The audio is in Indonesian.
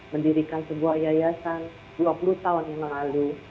mendirikan sebuah yayasan dua puluh tahun yang lalu